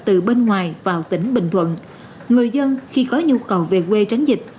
từ bên ngoài vào tỉnh bình thuận người dân khi có nhu cầu về quê tránh dịch